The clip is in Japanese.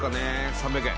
３００円